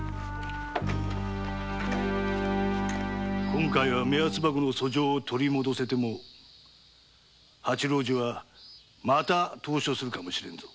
今回は目安箱の訴状を取り戻せても蜂郎次はまた投書するかも知れんぞ。